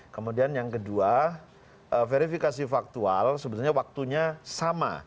kemudian yang kedua verifikasi faktual sebetulnya waktunya sama